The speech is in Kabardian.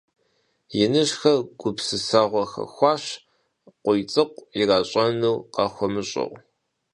Иныжьхэр гупсысэгъуэ хэхуащ, КъуийцӀыкӀу иращӀэнур къахуэмыщӀэу.